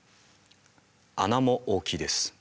穴も大きいです。